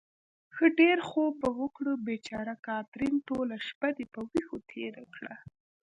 ښه ډېر خوب به وکړو. بېچاره کاترین، ټوله شپه دې په وېښو تېره کړه.